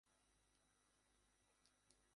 Iran সরকার তাকে কয়েকবার জেল খাটিয়েছেন।